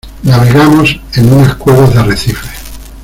navegamos en unas cuevas de arrecifes.